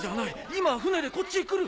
今舟でこっちへ来る。